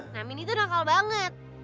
nah mini tuh nakal banget